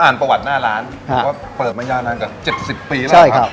ผมอ่านประวัติหน้าร้านหรือว่าเปิดมายากนานกฎ๗๐ปีแล้วครับ